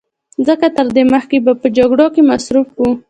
ځکه تر دې مخکې به په جګړو کې مصروف و